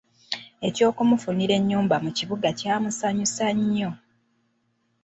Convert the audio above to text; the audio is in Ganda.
Eky'okumufunira ennyumba mu kibuga kyamusanyusa nnyo.